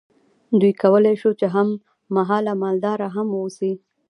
دوی کولی شول چې هم مهاله مالدار هم واوسي.